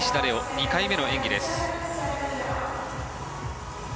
２回目の演技です。